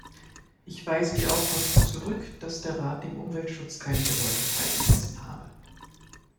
Ich weise die Auffassung zurück, dass der Rat dem Umweltschutz keine Bedeutung beigemessen habe.